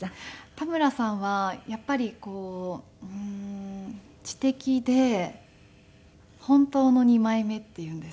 田村さんはやっぱりこううーん知的で本当の二枚目っていうんですか。